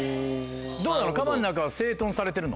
どうなの？